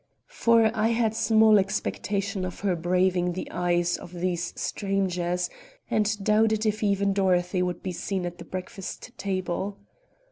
For I had small expectation of her braving the eyes of these strangers, and doubted if even Dorothy would be seen at the breakfast table.